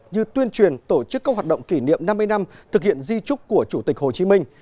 như tuyên truyền tổ chức các hoạt động kỷ niệm năm mươi năm thực hiện di trúc của chủ tịch hồ chí minh